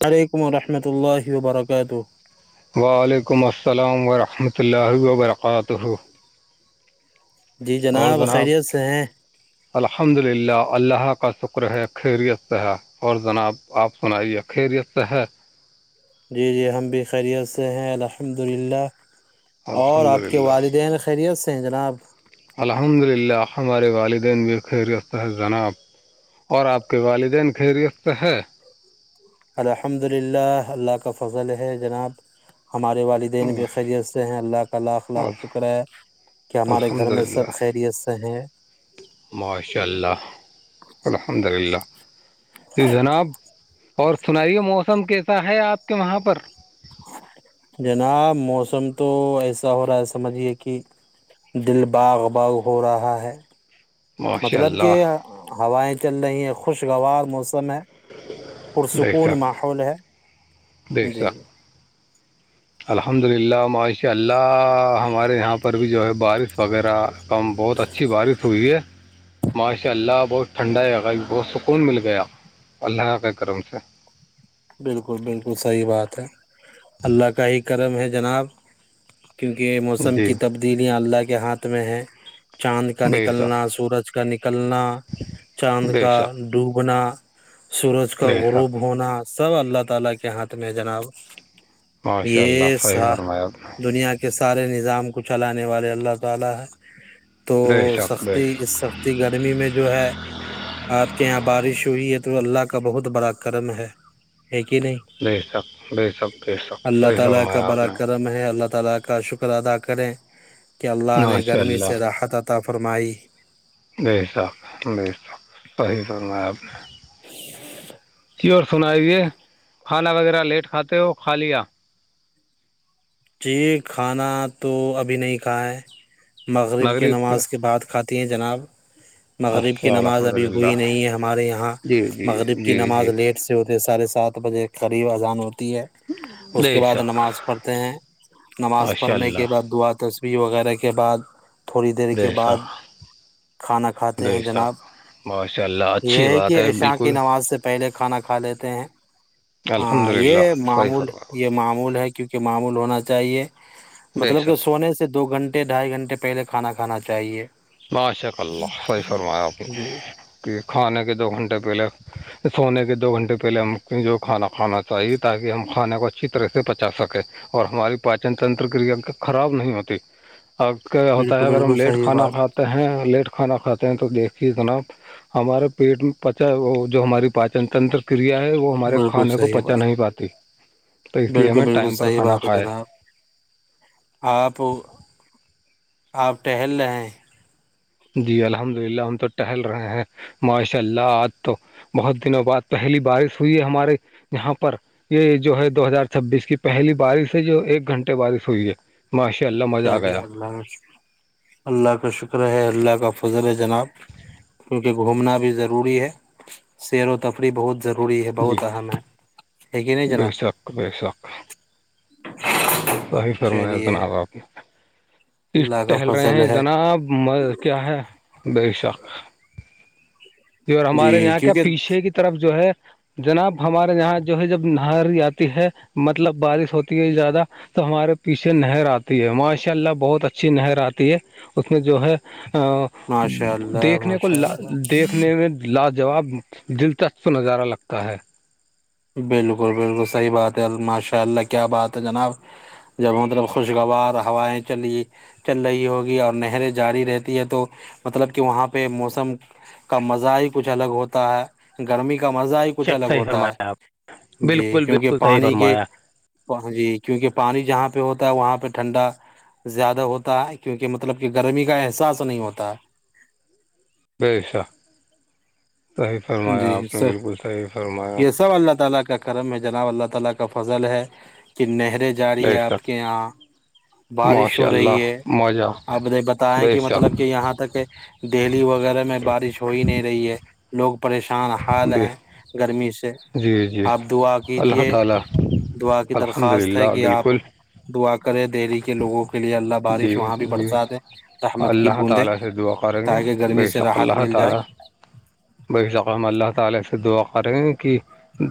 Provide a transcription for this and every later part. وعلیکم و رحمۃ اللہ وبرکاتہ وعلیکم السلام ورحمۃ اللہ وبرکاتہ جی جناب خیریت سے ہیں الحمد للہ اللہ کا شکر ہے خیریت سے اور جناب آپ سنائیے خیریت سے ہے جی جی ہم بھی خیریت سے ہیں الحمد للہ اور الحمد آپ کے للہ والدین خیریت سے ہیں جناب الحمد للہ ہمارے والدین بھی خیریتح جناب اور آپ کے والدین خیریفت ہے الحمد للہ اللہ کا فضل ہے جناب ہمارے والدین بھی خیریت سے ہیں اللہ کا لاکخ لاک اور شکر ہے کہ ہمارے گھر الحمد میں للہ سب خیریت سے ہیں ماشاء اللہ الحمد للہ جی جناب اور سنائیے موس سم کیسا ہے آپ کے وہاں پر جناب موسم تو ایسا ہو رہا ہے سمجھیے کہ دل باغ باغ ہو رہا ہے ماشاء مطلب کہ اللہ ہوائیں چل رہی ہیں خوشگوار موسم ہے پرسکون ماحول ہے جی دیھسا الحمد للہ معاشی اللہ ہمارے یہاں پر بھی جو ہے بارش وغیرہ کم بہت اچھی بارش ہوئی ہے ماشاء اللہ بہت ٹھنڈا ہے گا بہت سکون مل گیا اللہ کے کرم سے بالکل بالکل صحیح بات ہے اللہ کا ہی کرم ہے جناب کیونکہ موسم جی کی تبدیلیاں اللہ کے ہاتھ میں ہے چاند کا بے نکلنا شک سورج کا نکلنا چاند بے کا شک ڈوبنا سورج کا بے شک غروب ہونا سر اللہ تعالی کے ہاتھ میں ہے جناب ماشاء یہ اللہ صحیح سا فرمایا آپ دنیا کے کہ سارے نظام کو چلانے والے اللہ تعالی تو نے بے شک بے شک سختی گرمی میں جو ہے آپ کے یہاں بارش ہوئی ہے تو اللہ کا بہت بڑا کرم ہے ایک کہ نہیں بے شک بے شک بے شک اللہ صحیح تعالی کا فرمایا آپ بڑا نے ہے اللہ کا شکر ادا کریں کہ اللہ نے ماشاء گرمی سے اللہ راحت عطا فرمائی بییساک بی ساک صی تو میں آپ نہیں جی جی اور سناائیے کھانا وغیرہ لیٹ کھاتے ہو کھا لیا جی کھانا تو ابھی نہیں کھا ہے مغرب کی نماز کے بعات کھاتی ہیں جناب مغرب کی اچھا نماز الحمد ابھی للہ ہوئی نہیں ہے ہمارے یہاں جی جی مغرب کی جی نماز جی لیٹ سے ہوتے ساڑھے سات بجے قریب اذان ہوتی ہے اس کے بے بعد شک نماز پڑھتے ہیں نماز ماشاء پڑھنے کے اللہ بعد دعا تشبیح وغیرہ کے بعد تھوڑی دیر کے بے بعد شک کھانا کھاتے ہیں بے جناب شک ماشاء اللہ یہ اچھی ہے بات کہ عشا کی بالکل نماز سے پہلے کھانا کھا لیتے ہیں ہاں الحمد یہ للہ صحیح معمول فرمایا یہ معمول ہے کیونکہ معمول ہونا چاہیے چاہے بے مطلب کہ شک سونے سے دو گھنٹے ڈھائی گھنٹے پہلے کھانا کھانا چاہیے بشاک اللہ صحی فرمایا کہ جی کہ کھانے کے دو گھنٹے پہلے سونے کے دو گھنٹے پہلے ہم کو جو کھانا کھانا چاہیے تاکہ ہم کھانے کو اچھی طرح سے پچا سکیں اور ہماری پاچن تنترکیا خراب نہیں ہوتی اب کیا ہوتا ہے بالکل اگر ہم بالکل لیٹ صحیح کھانا بات کھاتے ہیں لیٹ کھانا کھاتے ہیں تو دیکھیے جناب ہمارے پیٹ میں پچا وہ جو ہماری پاچن تنتر کریا ہے وہ ہمارے بالکل کھانے کو صحیح پچا بات نہیں پاتی تو اس لیے بالکل ہمیں بالکل ٹائم پر صحیح کھانا بات کھایا ہے جناب آپ آپ ٹہل رہے جی الحمد للہ ہم تو ٹہل رہے ہیں ماشاء اللہ آات تو بہت دنوں بعد پہلی بارش ہوئی ہے ہمارے یہاں پر یہ جو ہے دو ہزار چھبیس کی پہلی بارش ہے جو ایک گھنٹے بارش ہوئی ہے ماشاء اللہ مزہ آ گیا ل [unintelligible] اللہ کا شکر ہے اللہ کا فضر ہے جناب کیونکہ گھومنا بھی ضروری ہے سیر و تفریح بہت ضروری ضروری ہے جی بہت اہم ہے لیک نہیں بے جناب شک بے ہ [unintelligible] صحی فرمایا جناب آپ نے اللہ کا ٹہل رہے فضل ہیں ہے جناب آ کیا ہے بے شک جی اور ہمارے یہاں کیا پیچھے کی طرف جو ہے جناب ہمارے یہاں جو ہے جب نہاری آتی ہے مطلب بارش ہوتی ہے زیادہ تو ہمارے پیچھے نہر آتی ہے ماشاء اللہ بہت اچھی نہر آتی ہے اس میں جو ہے ماشاء اللہ دیکھنے کو ماشاء اللہ دیکھ میں لاجواب دلچسپ نظارہ لگتا ہے بالکل بالکل صحیح بات ہے ماشاء اللہ کیا بات ہے جناب جب مطلب خوشگوار ہوائیں چلی چل رہی ہوگی اور نہریں جاری رہتی ہے تو مطلب کہ وہاں پہ موسم کا مزہ ہی کچھ الگ ہوتا ہے گرمی کا مزہ ہی کچھ شک الگ صحیح ہوتا فرمایا آپ ہے جی بالکل کیونکہ بالکل صحیح پانی کے فرمایا جی کیونکہ پانی جہاں پہ ہوتا ہے وہاں پہ ٹھنڈا زیادہ ہوتا ہے کیونکہ مطلب کہ گرمی کا احساس نہیں ہوتا بیسا صحیح ہے فرمایا آپ جی نے سر بالکل صحیح فرمایا یہ سب اللہ تعی کا کرم ہے جناب اللہ تعالی کا فضل ہے کہ نہریں جا رہی ہے بے شک آپ کے یہاں بارش ہو ماشاء رہی اللہ ہے مزہ اپ بتائیں بے کہ شک مطلب کہ یہاں تک دہلی وغیرہ میں بارش ہو ہی نہیں رہی ہے لوگ پریشان حال بے ہیں گرمی سے جی جی آپ دعا اللہ کیجیے تعالیٰ دعا کی الحمد درخواست للہ ہے کہ آپ بالکل دعا کریں دہلی کے لوگوں کے لیے اللہ بارش جی وہاں بھی جی برسات ہے رحمد کی اللہ بوندیں تعالیٰ سے دعا کریں گے تاکہ گرمی بے سے شک راحت اللہ مل جائے تعالیٰ ہ [inaudible] بے شکام اللہ تعالی سے دعا کریں کہ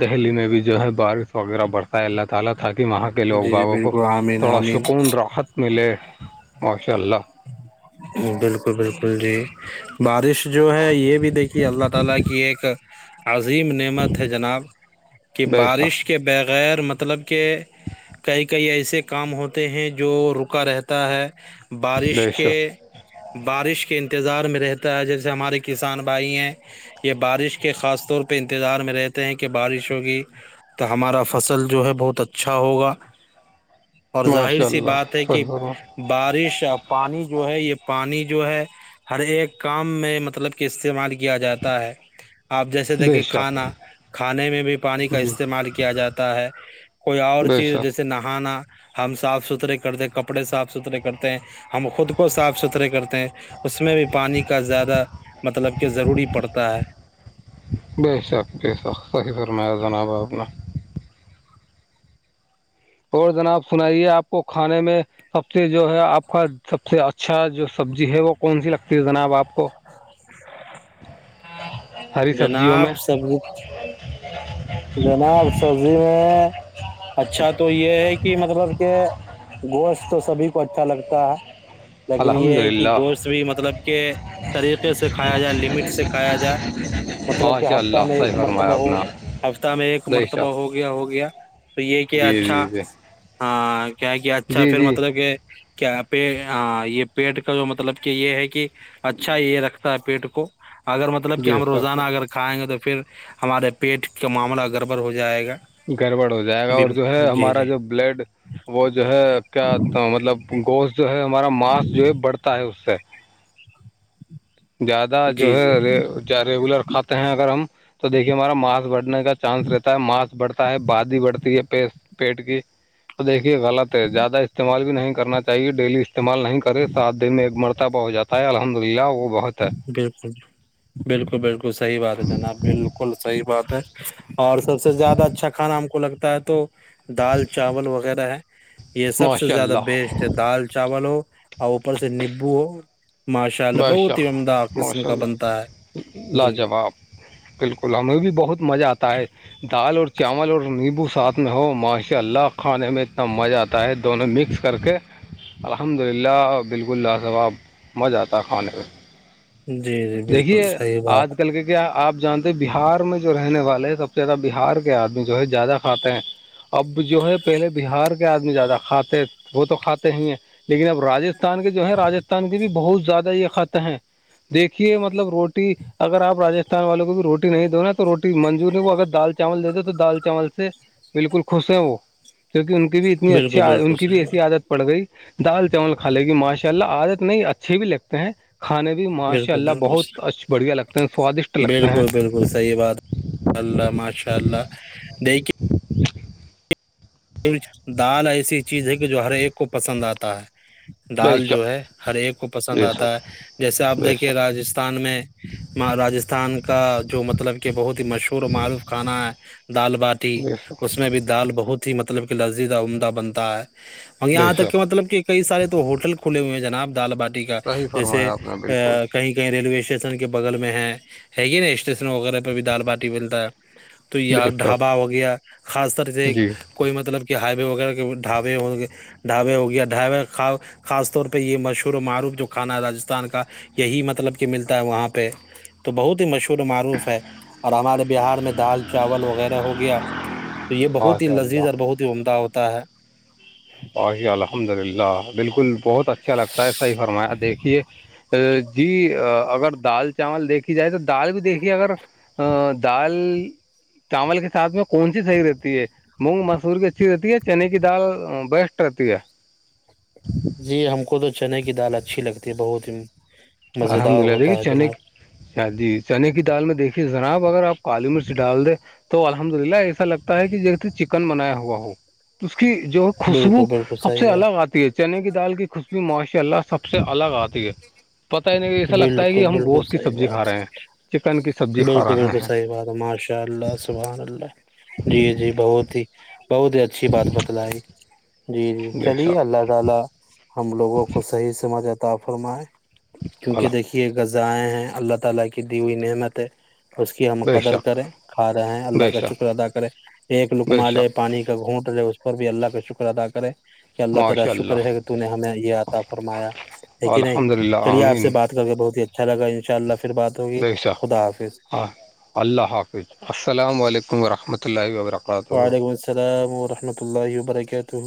دہلی میں بھی جو ہے بارش وغیرہ بڑھتا ہے اللہتعالی تاکہ وہاں کے لوگ جی جی باغوں کو بالکل آمین تھوڑا آمین سکون راحت ملے ماشاء اللہ بالکل بالکل جی بارش جو ہے یہ بھی دیکھی اللہ تعالی کی ایک عظیم نعمت ہے جناب کہ بے بارش شک کے بغیر مطلب کہ کئی کئی ایسے کام ہوتے ہیں جو رکا رہتا ہے بارش بے کے شک بارش کے انتظار میں رہتا ہے جیسے ہمارے کسان بھائی ہیں یہ بارش کے خاص طور پہ انتظار میں رہتے ہیں کہ بارش ہوگی تو ہمارا فصل جو ہے بہت اچھا ہوگا اور ظاہر ماشاء سی اللہ بات ہے کہ صحیح فرما بارش پانی جو ہے یہ پانی جو ہے ہر ایک کام میں مطلب کہ استعمال کیا جاتا ہے آپ جیسے بے دیکھے شک کھانا کھانے میں بھی پانی کا جی استعمال کیا جاتا ہے کوئی اور بے چیز شک جیسے نہانا ہم صاف ستھرے کرتے ہیں کپڑے صاف ستھرے کرتے ہیں ہم خود کو صاف ستھرے کرتے ہیں اس میں بھی پانی کا زیادہ مطلب کہ ضروری پڑتا ہے شخ شخ صحی سرما جناابا اپپنا اور جناب سنائیے آپ کو کھانے میں سب سے جو ہے آپ کا سب سے اچھا جو سبزی ہے وہ کون سی لگتی ہے جناب آپ کو ہری سبزیوں میں جناب سبزی جناب سبزی میں اچھا تو یہ ہے کہ مطلب کہ گوشت تو سبھی کو اچھا لگتا ہے لیکن یہ الحمد ہے کہ للہ گوشت بھی مطلب کہ طریقے سے کھایا جائے لمٹ سے کھایا جائے مطلب کہ ماشاء ہفتہ اللہ میں صحیح ایک فرمایا مرتبہ آپ ہو نے ہفتہ میں ایک جی مرتبہ صاحب ہو گیا ہو گیا تو یہ کہ جی جی اچھا جی کیا کہ اچھا جی پھر جی مطلب کہ کیا پ یہ پیٹ کا جو مطلب کہ یہ ہے کہ اچھا یہ رکھتا ہے پیٹ کو اگر مطلب کہ جی ہم سب روزانہ اگر کھائیں گے تو پھر ہمارے پیٹ کا معاملہ گڑبڑ ہو جائے گا گڑبڑ ہو جائے گا اور جو ہے بالکل جی ہمارا جی جو بلڈ وہ جو ہے کیا مطلب گوشت جو ہے ہمارا ماس جو ہے بڑھتا ہے اس سے زیادہ جو جی جی ہے ریگولر کھاتے ہیں اگر ہم تو دیکھیے ہمارا ماس بڑ کا چانس رہتا ہے ماسک بڑھتا ہے بادی بڑتی ہے پیسٹ پیٹ کی تو دیکھیے غلط ہے زیادہ استعمال بھی نہیں کرنا چاہیے ڈیلی استعمال نہیں ساتھ دے میں ایک مرتبہ ہو جاتا ہے الحمد للہ وہ بہت ہے بالکل بالکل بالکل سحی بات ہے جناب بالکل صحی بات ہے اور سب سے زیادہ اچھا کھانا ہم کو لگتا ہے تو دال چاول وغیرہ ہے یہ سب سے ماشاء زیادہ اللہ بیسٹ ہے دال چاول ہو اور اوپر سے نیبو ہو ماشاء اللہ بہت باشق عمدہ قسم ماشاء کا اللہ بنتا ہے جی لاجواب بالکل ہمیں بھی بہت مزہ آتا ہے دال اور چاول اور نیمبو ساتھ میں ہو ماشاء اللہ کھانے میں اتنا مزہ آتا ہوتا ہے دونوں مکس کر کے الحمد للہ بالکل لاسواب مجہ آتا تخ جی جی بالکل دیکھیے صحیح آج بات کل کے کیا آپ جانتے بہار میں جو رہنے والے ہیں سب سے زیادہ بہار کے آدمی جو ہے زیادہ کھاتے ہیں اب جو ہے پہلے بہار کے آدمی زیادہ کھاتے وہ تو کھاتے ہی ہیں لیکن اب راستھان کے جو ہے راستھان کے بھی بہت زیادہ یہ خط ہیں کہ یہ مطلب روٹی اگر آپ رجستھان والوں کو بھی روٹی نہیں دو نا تو روٹی منجور نہیں ہو اگر دال چاول دے دو تو دال چاول سے بالکل خوش ہیں وہ کیونکہ ان کی بھی اتنی اچھی بالکل بالکل ان کی بھی صحیح ایسی بات عادت پڑ گئی دال چاول کھ لے گی ماشاء اللہ آادت نہیں اچھے بھی لگتے ہیں کھانے بھی ماشاء ء بالکل اللہ بالکل بہتچھ بڑھیا لگتے ہیں سوادشٹ لگتے ہیں بالکل بالکل صحیح بات اللہ ماشاء اللہ دیکھیے جی دال ایسی چیز ہے کہ جو ہر ایک کو پسند آتا ہے بے دال جو شک ہے ہر ایک کو پسند بے آتا شک ہے جیسے آپ بے دیکھیے شک راجستھان میں راجستھان کا جو مطلب کہ بہت ہی مشہور و معروف کھانا ہے دال باٹی بے شک اس میں بھی دال بہت ہی مطلب کہ لذییدہ عمدہ بنتا ہے بے یہاں تک کہ شک مطلب کہ کئی سارے تو ہوٹل کھلے ہوئے ہیں جناب دال باٹی کا صحیح جیسے فرمایا آپ نے بالکل کہیں کہیں ریلوے اسٹیشن کے بغل میں ہے ہی نا اسٹیشن وغیرہ پہ بھی دال باٹی ملتا ہے تو یہ بے شک ڈھابا ہو گیا خاص طر سے جی کوئی مطلب کہ ہائی وے وغیرہ کے ڈھابے ہووں گے ڈھابے ہو گیا ڈھابے خاص طور پہ یہ مشہور و معروف جو کھانا ہے راجستھان کا یہی مطلب کہ ملتا ہے وہاں پہ تو بہت ہی مشہور شر معروف ہے اور ہمارے بہار میں دال چاول وغیرہ ہو گیا تو یہ بہت ہی ماشاء اللہ لذیذ اور بہت ہی عمدہ ہوتا ہے بقی الحمد للہ بالکل بہت اچھا لگتا ہے صحیح فرمایا دیکھیے جی اگر دال چاول دیکھیھی جائے تو دال بھی دیکھیے اگر [unintelligible] چاول کے سھ میں کون سی صحیح رہتی ہے مونگ مسور کی اچھی رہتی ہے چنے کی دال بیسٹر ہے جی ہم کو تو چنے کی دال اچھی لگتی ہے بہت ہی الحمد مزیدار للہ ہوتا دیکھیے ہے چنک جناب جی چنے کی دال میں دیکھیے جناب اگر آپ کالی مرچ ڈال دیں تو الحمد للہ ایسا لگتا ہے کہ جیسے چکن بنایا ہوا ہو اس کی جو خوشبو بالکل بالکل سب صحیح سے الگ بات آتی ہے چنے کی دال کی خوشبی ماشاء اللہ سب سے الگ آتی ہے پتہ ہی نہیں ایسا لگتا ہے بالکل کہ ہم بالکل گوشت کی سحی سبزی بات کھا رہے ہے ہیں چکن کی سبزی کھا بالکل رہے بالکل ہیں صحیح بات ہے ماشاء اللہ سبحان اللہ جی جی بہت ہی بہت ہی اچھی بات بتائی جی بے چلیے شک ہم لوگوں کو صحیح سمجھ آتا فرمائیں کیونکہ اللہ دیکھیے غذائیں ہیں اللہ تعالی کی اس کی ہم بے قدر شک کریں کھا رہے ہیں اللہ بے کا شک شکر ادا کریں ایک بے لکما لے شک پانی کا گھونٹ رہے اس پر بھی اللہ کا شکر ادا کرے کہ اللہ تعالی ماشاء شکر اللہ ہے کہ تو نے ہمیں یہ عطا فرمایا الحمد للہ چلیے آپ سے آمین کر کے بہت ہی اچھا لگا ان شاء اللہ پھر بات ہوگی بے شک خدا حافظ اللہ حافظ السلام علیکم وبرکاتہ وعلیکم السلام ورحمۃ اللہ وبرکاتہ